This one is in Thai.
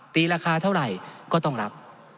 ตีราคาเท่าไหร่ก็ต้องรับ